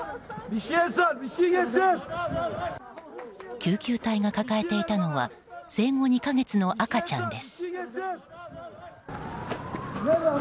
救急隊が抱えていたのは生後２か月の赤ちゃんです。